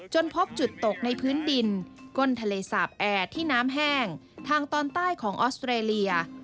พบจุดตกในพื้นดินก้นทะเลสาบแอร์ที่น้ำแห้งทางตอนใต้ของออสเตรเลีย